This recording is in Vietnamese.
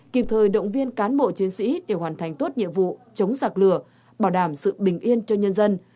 kịp thời động viên cán bộ chiến sĩ để hoàn thành tốt nhiệm vụ chống giặc lửa bảo đảm sự bình yên cho nhân dân